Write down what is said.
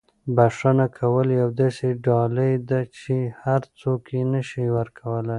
بښنه کول یوه داسې ډالۍ ده چې هر څوک یې نه شي ورکولی.